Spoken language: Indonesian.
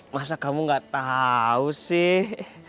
masa kamu gak tahu sih